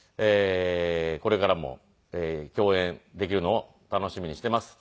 これからも共演できるのを楽しみにしています。